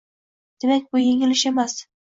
Demak, bu yengil ish emas